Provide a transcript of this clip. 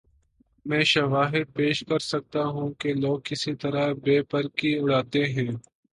میں شواہد پیش کر سکتا ہوں کہ لوگ کس طرح بے پر کی اڑاتے ہیں۔